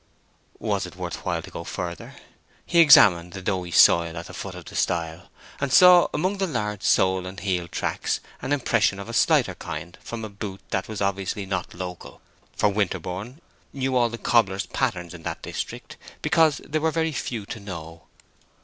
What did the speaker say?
Was it worth while to go farther? He examined the doughy soil at the foot of the stile, and saw among the large sole and heel tracks an impression of a slighter kind from a boot that was obviously not local, for Winterborne knew all the cobblers' patterns in that district, because they were very few to know.